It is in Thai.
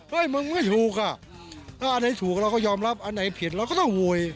มึงไม่ถูกอ่ะถ้าอันไหนถูกเราก็ยอมรับอันไหนผิดเราก็ต้องโวย